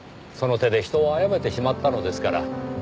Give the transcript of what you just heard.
その手で人を殺めてしまったのですから。